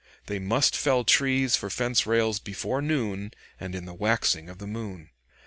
They must fell trees for fence rails before noon, and in the waxing of the moon.